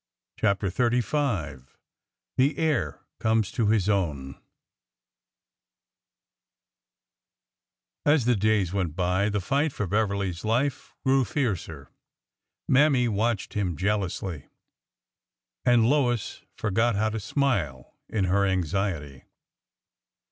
Humph 1 " CHAPTER XXXV THE HEIR COMES TO HIS OWN 1 the days went by, the fight for Beverly's life grew fiercer. Mammy watched him jealously, and Lois forgot how to smile in her anxiety.